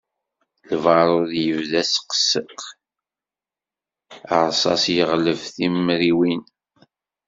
Lbarud yebda aseqseq, rsas yeɣleb timriwin.